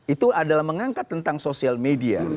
itu adalah mengangkat tentang sosial media